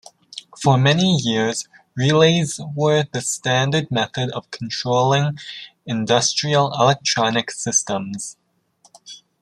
For many years relays were the standard method of controlling industrial electronic systems.